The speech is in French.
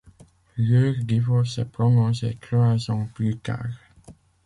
Leur divorce est prononcé trois ans plus tard.